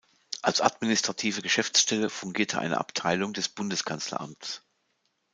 Als administrative Geschäftsstelle fungierte eine Abteilung des Bundeskanzleramts.